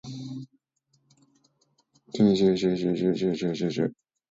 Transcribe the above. jjjjjjjjjjjjjjjjj